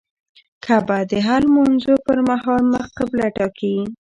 کعبه د هر لمونځه پر مهال مخ قبله ټاکي.